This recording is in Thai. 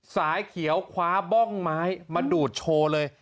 สายเขียวคว้าบ้องไม้มาดูดโชว์เลย